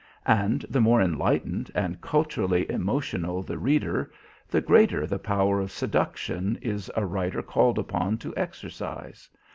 And the more enlightened and culturally emotional the reader, the greater the power of seduction is a writer called upon to exercise.